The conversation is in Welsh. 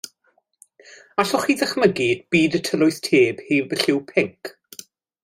A allwch chi ddychmygu byd y tylwyth teg heb y lliw pinc?